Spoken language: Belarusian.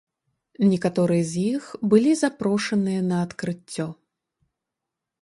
Некаторыя з іх былі запрошаныя на адкрыццё.